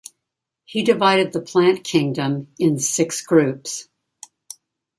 He divided the plant kingdom in six groups.